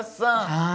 はい。